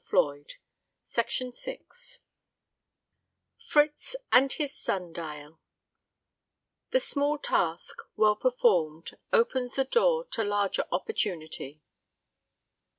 FRITZ AND HIS SUN DIAL "The small task well performed opens the door to larger opportunity."